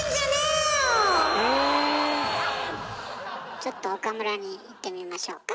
ちょっと岡村にいってみましょうか。